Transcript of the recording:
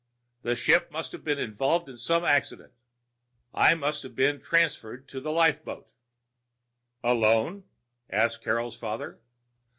The ship must have been involved in some accident. I must have been transferred to the lifeboat." "Alone?" asked Carol's father.